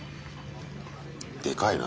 でかいな。